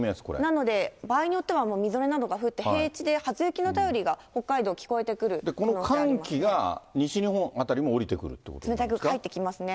なので場合によってはみぞれなどが降って、平地で初雪の便りが、北海道、聞こえてくる可能性この寒気が西日本辺りも降り冷たい空気入ってきますね。